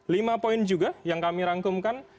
lima poin juga yang kami rangkumkan